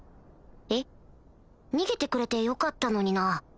えっ逃げてくれてよかったのにな